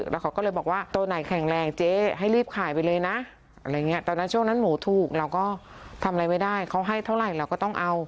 แล้วเขาก็เลยบอกว่าตัวไหนแข็งแรงเจ๊ให้รีบขายไปเลยนะอะไรอย่างนี้ตอนนั้นช่วงนั้นหมูถูกเราก็ทำอะไรไม่ได้เขาให้เท่าไหร่เราก็ต้องเอา